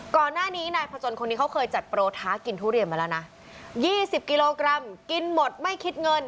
ก่อนหน้านี้นายพจนคนนี้เขาเคยจัดโปรท้ากินทุเรียนมาแล้วนะ๒๐กิโลกรัมกินหมดไม่คิดเงิน